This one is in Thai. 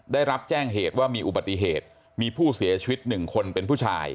ได้รับแจ้งเหตุว่ามีอุบัติเหตุมีผู้เสียชีวิตหนึ่งคนเป็นผู้ชาย